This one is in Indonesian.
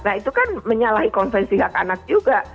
nah itu kan menyalahi konsesi hak anak juga